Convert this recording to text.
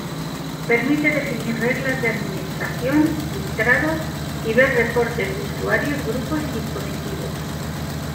Permite definir reglas de administración, filtrados y ver reportes de usuarios, grupos y dispositivos.